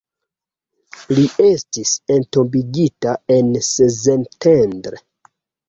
Li estis entombigita en Szentendre.